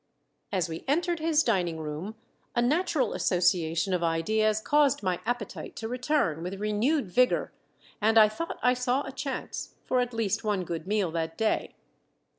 As we entered his dining room a natural association of ideas caused my appetite to return with renewed vigor, and I thought I saw a chance for at least one good meal that day.